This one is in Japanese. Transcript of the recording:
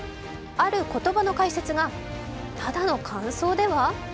ある言葉の解説が、ただの感想では？